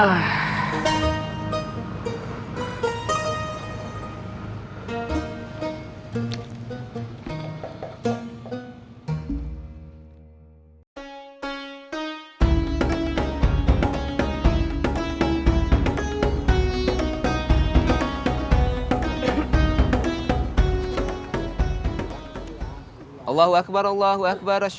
assalamualaikum warahmatullahi wabarakatuh